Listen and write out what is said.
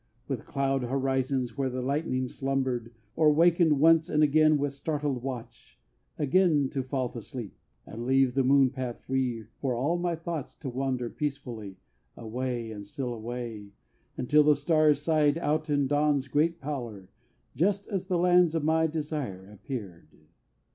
With cloud horizons where the lightning slumbered Or wakened once and again with startled watch, Again to fall asleep And leave the moon path free for all my thoughts To wander peacefully Away and still away Until the stars sighed out in dawn's great pallor, Just as the lands of my desire appeared.